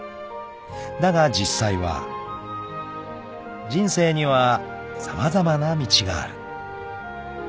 ［だが実際は人生には様々な道がある］